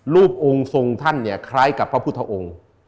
รูปองค์ทรงท่านเนี่ยคล้ายกับพระพุทธองค์